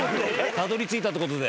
たどりついたってことで。